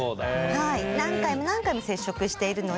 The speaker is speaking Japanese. はい何回も何回も接触しているので。